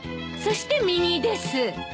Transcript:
そして右です。